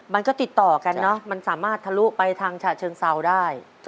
มันก็ติดต่อกันเนอะมันสามารถทะลุไปทางฉะเชิงเซาได้